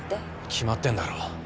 決まってんだろ。